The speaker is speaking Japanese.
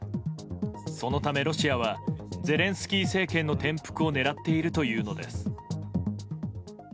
そのためロシアはゼレンスキー政権の転覆を狙っているというのです。